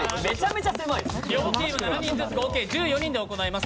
両チーム７人ずつ、合計１４人で戦います。